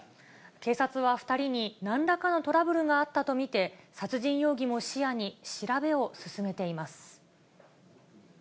警察は２人に何らかのトラブルがあったと見て、殺人容疑も視野に調べを進めています。